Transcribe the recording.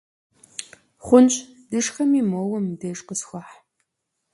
Хъунщ дышхэми, моуэ мыбдеж къысхуэхь.